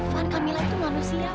van kamilah itu manusia